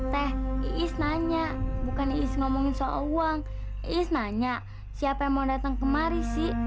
teh iis nanya bukan is ngomongin soal uang is nanya siapa yang mau datang kemari sih